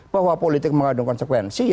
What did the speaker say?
bahwa politik mengandung konsekuensi